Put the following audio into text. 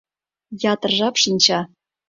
Ятыр жап шинча.